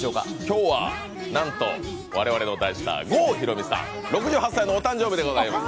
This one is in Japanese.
今日はなんと、我々の大スター郷ひろみさん６８歳のお誕生日でございます。